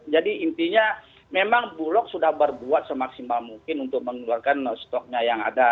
jadi intinya memang bulog sudah berbuat semaksimal mungkin untuk mengeluarkan stoknya yang ada